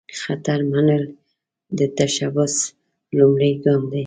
خطر منل، د تشبث لومړۍ ګام دی.